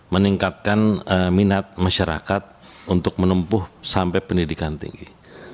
meningkatkan minat masyarakat untuk menempuh sampai pendidikan tinggi